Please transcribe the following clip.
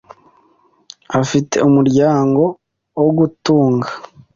Afite umuryango wo gutunga .